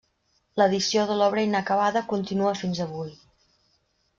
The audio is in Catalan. L'edició de l'obra inacabada continua fins avui.